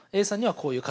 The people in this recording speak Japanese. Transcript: こういう人